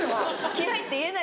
「嫌い」って言えない。